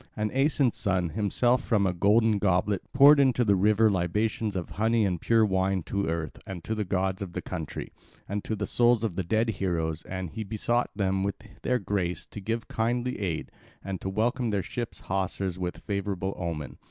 And Aeson's son himself from a golden goblet poured into the river libations of honey and pure wine to Earth and to the gods of the country, and to the souls of dead heroes; and he besought them of their grace to give kindly aid, and to welcome their ship's hawsers with favourable omen.